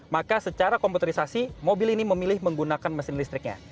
maka secara komputerisasi mobil ini memilih menggunakan mesin listriknya